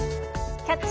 「キャッチ！